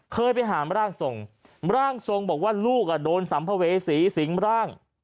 เคยไปหามะปรางโสงมะปรางโสงบอกว่าลูกโดนสัมพเวษีสิงห์มะปราง